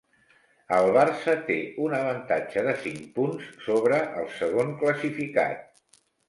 El Barça té un avantatge de cinc punts sobre el segon classificat.